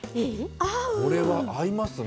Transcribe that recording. これは合いますね。